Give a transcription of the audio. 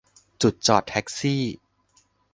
จุดจอดแท็กซี่